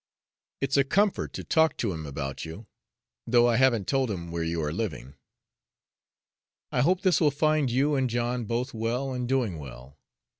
It's a comfort to talk to him about you, though I haven't told him where you are living. I hope this will find you and John both well, and doing well.